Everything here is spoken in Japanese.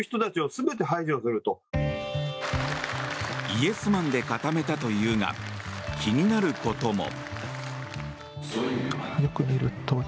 イエスマンで固めたというが気になることも。